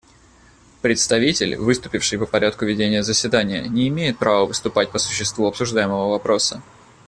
Представитель, выступивший по порядку ведения заседания, не имеет права выступать по существу обсуждаемого вопроса.